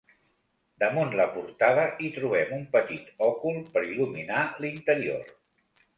Damunt la portada hi trobem un petit òcul per il·luminar l'interior.